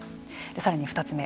さらに２つ目。